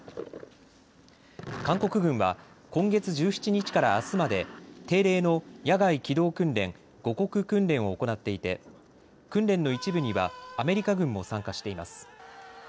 韓国軍は今月１７日からあすまで定例の野外機動訓練、護国訓練を行っていて訓練の一部にはアメリカ軍も参加しています。